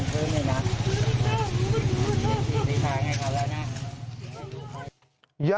พอเกิดเหลือหลังพื้นด้วยนะ